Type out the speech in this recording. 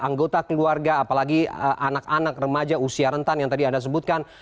anggota keluarga apalagi anak anak remaja usia rentan yang tadi anda sebutkan